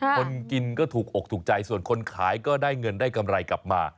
คนกินก็ถูกอกถูกใจส่วนคนขายก็ได้เงินได้กำไรกลับมา